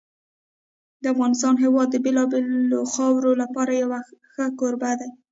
د افغانستان هېواد د بېلابېلو خاورو لپاره یو ښه کوربه دی.